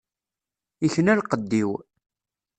Ikna lqedd-iw.